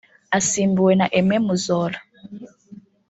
asimbuwe na Aime Muzora